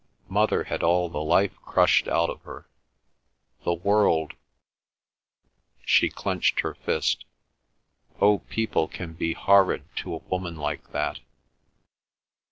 Mother had all the life crushed out of her. The world—" She clenched her fist. "Oh, people can be horrid to a woman like that!"